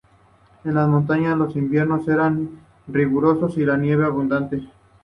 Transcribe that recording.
En las montañas los inviernos eran rigurosos y la nieve abundante.